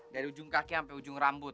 dari ujung kaki sampai ujung rambut